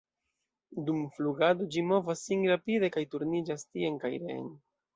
Dum flugado ĝi movas sin rapide kaj turniĝas tien kaj reen.